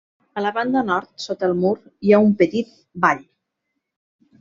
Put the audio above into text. A la banda nord, sota el mur hi ha un petit vall.